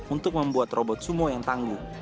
untuk membuat robot sumo yang tangguh